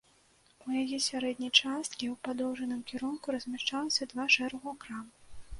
У яе сярэдняй часткі ў падоўжным кірунку размяшчалася два шэрагу крам.